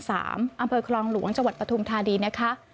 อำเภอคลองหลวงจังหวัดปฐุมธานีนะคะ